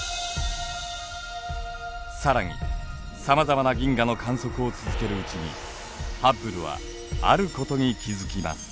更にさまざまな銀河の観測を続けるうちにハッブルはあることに気付きます。